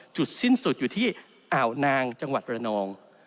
จุดสิ้นสุดอยู่ที่อ่าวนางจังหวัดระนอง